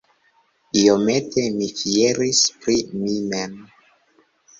Iomete mi fieris pri mi mem!